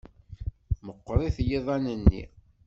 Meɣɣrit yiḍan-nni.